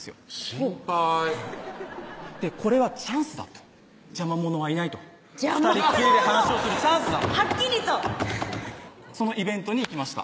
心配これはチャンスだと邪魔者はいないと２人っきりで話をするチャンスだとはっきりとそのイベントに行きました